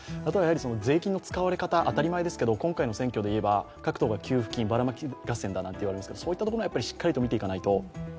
税金の使われ方、当たり前ですけど今回の選挙でいえば、各党が給付金ばらまき合戦だと言われていますが、そういったところもしっかりと見ていかないと。